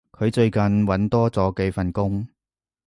佢最近搵多咗幾份工